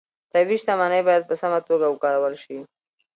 طبیعي شتمنۍ باید په سمه توګه وکارول شي